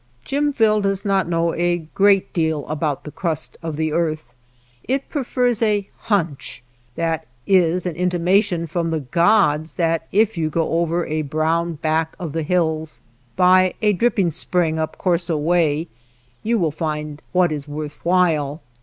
Jimville does not know a great deal about the crust of the earth, it prefers a " hunch." That is an intimation from the gods that if you go over a brown back of the hills, by a dripping spring, up Coso way, you will find what is worth while.